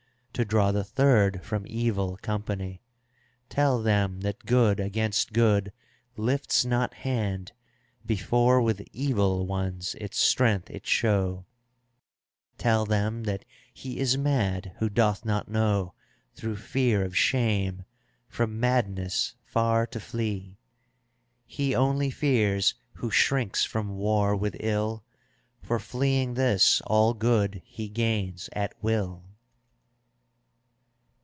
To draw the third from evil company: Tell them that good against good lifts not hand, «« Before with evil ones its strength it show: Tell them that he is mad who doth not know, Through fear of shame, from madness far to flee. He only fears who shrinks from war with ill, For fleeing this all good he gains at will.